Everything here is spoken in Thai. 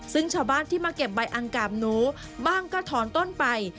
ซึ่งชาวบ้านที่มาเก็บใบอังกาบหนูบ้างก็ถอนต้นไป